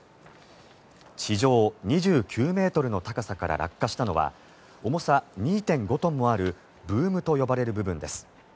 地上２９ｍの高さから落下したのは重さ２．５トンもあるブームと呼ばれる部分です。